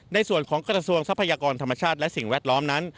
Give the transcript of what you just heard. ในส่วนของกระทรวงทรัพยากรธรรมชาติและสิ่งแวดล้อมนั้น